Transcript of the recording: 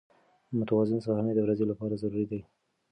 متوازنه سهارنۍ د ورځې لپاره ضروري ده.